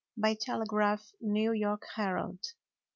(By Telegraph, New York Herald.)